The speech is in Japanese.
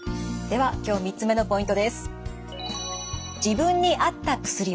では今日３つ目のポイントです。